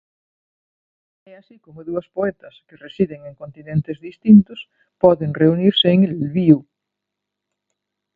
É así como dúas poetas que residen en continentes distintos poden reunirse en Lviv.